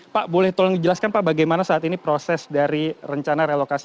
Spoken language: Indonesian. pak boleh tolong dijelaskan pak bagaimana saat ini proses dari rencana relokasi